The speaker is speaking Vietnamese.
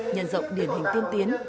nhân rộng điển hình tiên tiến